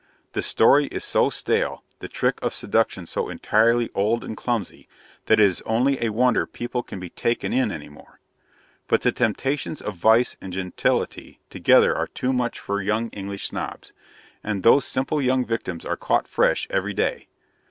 The story is so stale, the trick of seduction so entirely old and clumsy, that it is only a wonder people can be taken in any more: but the temptations of vice and gentility together are too much for young English Snobs, and those simple young victims are caught fresh every day.